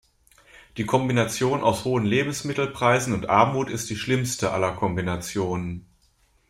Die Kombination aus hohen Lebensmittelpreisen und Armut ist die schlimmste aller Kombinationen.